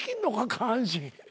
下半身。